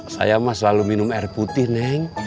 saya mah selalu minum air putih neng